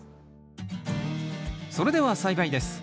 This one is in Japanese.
それでは栽培です。